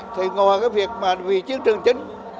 thì ngồi cái việc mà vì chiến trường chính